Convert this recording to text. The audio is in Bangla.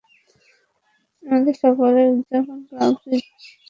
আমাদের সকলের উদযাপন করা উচিত।